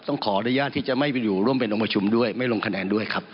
ต้องขออนุญาตที่จะไม่ไปอยู่ร่วมเป็นองค์ประชุมด้วยไม่ลงคะแนนด้วยครับ